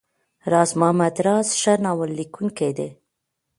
راز محمد راز ښه ناول ليکونکی دی.